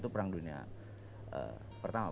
itu perang dunia pertama